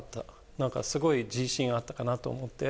なんかすごい自信あったかなと思って。